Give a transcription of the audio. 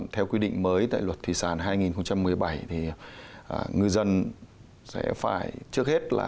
theo quy định mới tại luật thủy sản hai nghìn một mươi bảy thì ngư dân sẽ phải trước hết là